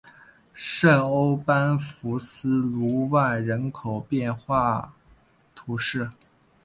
圣欧班福斯卢万人口变化图示